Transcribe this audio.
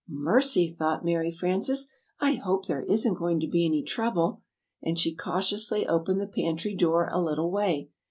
"Mercy!" thought Mary Frances, "I hope there isn't going to be any trouble." And she cautiously opened the pantry door a little way.